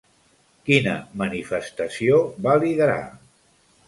Quina manifestació va liderar?